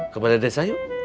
ke badai desa yuk